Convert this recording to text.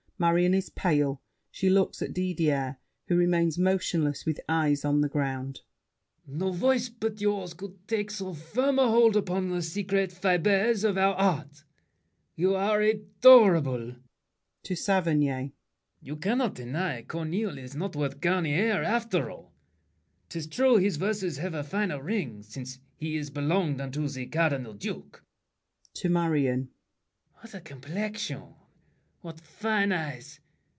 Marion is pale; she looks at Didier, who remains motionless with eyes on the ground. LAFFEMAS. No voice but yours could take so firm a hold Upon the secret fibers of our heart. You are adorable. [To Saverny.] You can't deny Corneille is not worth Garnier, after all. 'Tis true, his verses have a finer ring Since he's belonged unto the Cardinal Duke. [To Marion.] What a complexion! What fine eyes!